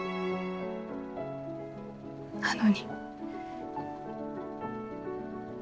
なのに。